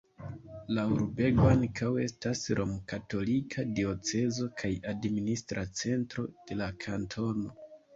La urbego ankaŭ estas romkatolika diocezo kaj administra centro de la kantono.